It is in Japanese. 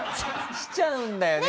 しちゃうんだよね